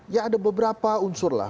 ya ada beberapa unsur lah